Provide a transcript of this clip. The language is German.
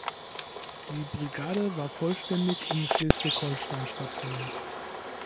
Die Brigade war vollständig in Schleswig-Holstein stationiert.